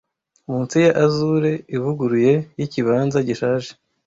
munsi ya azure ivuguruye yikibanza gishaje